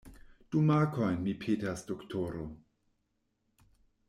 Du markojn, mi petas, doktoro.